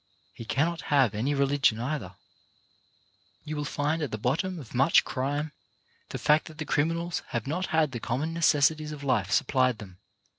He cannot have any religion either. You will find at the bottom of much crime the fact that the criminals have not UNIMPROVED OPPORTUNITIES 131 had the common necessities of life supplied them.